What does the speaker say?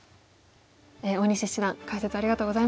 大西七段解説ありがとうございました。